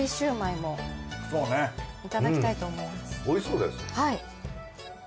はい。